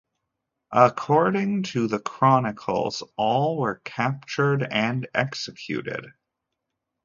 According to the chronicles, all were captured and executed.